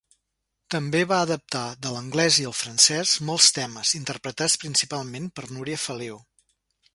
També va adaptar, de l'anglès i el francès, molts temes, interpretats principalment per Núria Feliu.